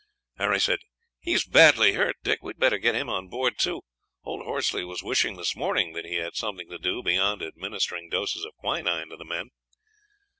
"He is badly hurt, Dick; we had better get him on board, too. Old Horsley was wishing this morning that he had something to do beyond administering doses of quinine to the men."